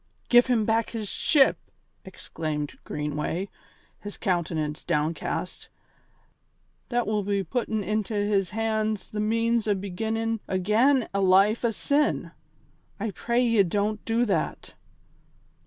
"Give him back his ship!" exclaimed Greenway, his countenance downcast. "That will be puttin' into his hands the means o' beginnin' again a life o' sin. I pray ye, don't do that."